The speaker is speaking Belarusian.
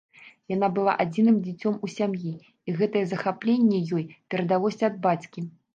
Яна была адзіным дзіцём у сям'і, і гэтае захапленне ёй перадалося ад бацькі.